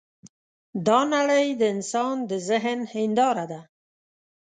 دا نړۍ د انسان د ذهن هینداره ده.